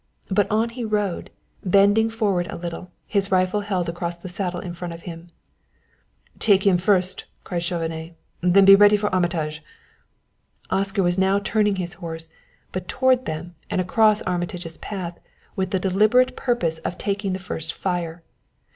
But on he rode, bending forward a little, his rifle held across the saddle in front of him. "Take him first," cried Chauvenet. "Then be ready for Armitage!" Oscar was now turning his horse, but toward them and across Armitage's path, with the deliberate purpose of taking the first fire.